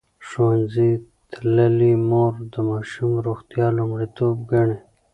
ښوونځې تللې مور د ماشوم روغتیا لومړیتوب ګڼي.